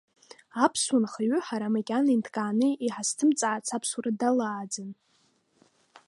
Аԥсуа нхаҩы, ҳара макьана инҭкааны иҳазҭымҵаац Аԥсуара далааӡан.